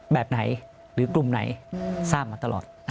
แบบไหนหรือกลุ่มไหนทราบมาตลอด